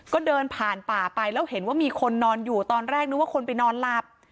ก็เดินผ่านป่าไปแล้วเห็นว่ามีคนนอนอยู่ตอนแรกนึกว่าคนไปนอนหลับ